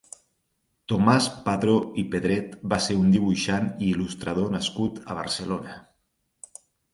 Tomàs Padró i Pedret va ser un dibuixant i il·lustrador nascut a Barcelona.